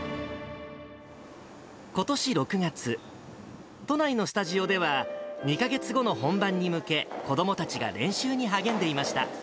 ことし６月、都内のスタジオでは、２か月後の本番に向け、子どもたちが練習に励んでいました。